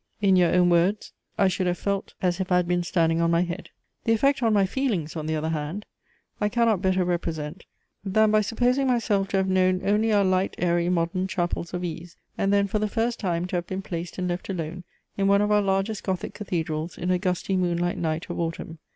In your own words, I should have felt as if I had been standing on my head. "The effect on my feelings, on the other hand, I cannot better represent, than by supposing myself to have known only our light airy modern chapels of ease, and then for the first time to have been placed, and left alone, in one of our largest Gothic cathedrals in a gusty moonlight night of autumn.